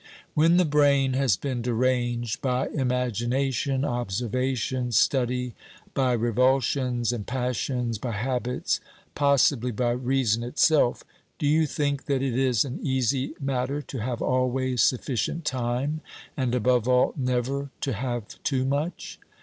When the brain has been deranged by imagination, observation, study, by revulsions and passions, by habits, possibly by reason itself, do you think that it is an easy matter to have always sufficient time, and, above all, never to have too much